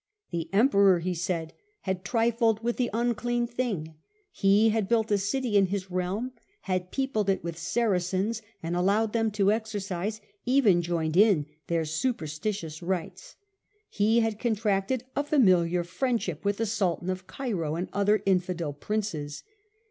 The Emperor, he said, had trifled with the unclean thing : he had built a city in his realm, had peopled it with Saracens and allowed them to exercise, even joined in, their superstitious rites. He had con tracted a familiar friendship with the Sultan of Cairo and other infidel Princes.